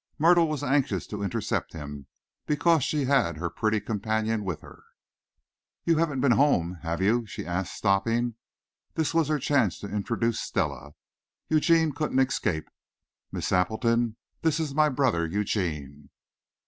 Myrtle was anxious to intercept him, because she had her pretty companion with her. "You haven't been home, have you?" she asked, stopping. This was her chance to introduce Stella; Eugene couldn't escape. "Miss Appleton, this is my brother Eugene."